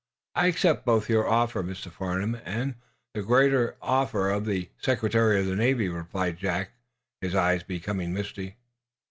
"I accept both your offer, Mr. Farnum, and, the greater offer of the Secretary of the Navy," replied Jack, his eyes becoming misty.